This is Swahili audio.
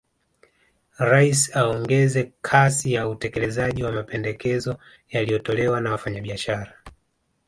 Rais aongeze kasi ya utekelezaji wa mapendekezo yaliyotolewa na Wafanyabiashara